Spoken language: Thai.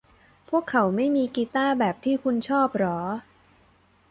พวกเขาไม่มีกีต้าร์แบบที่คุณชอบหรอ